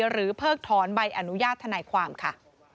เพิกถอนใบอนุญาตทนายความค่ะ